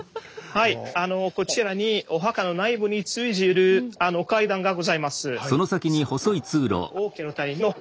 はいあのこちらにお墓の内部に通じる階段がございます。